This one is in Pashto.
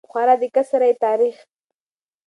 په خورا دقت سره يې تاريخ